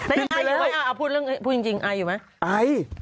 อ้าวพูดเรื่องจริงไออยู่ไหม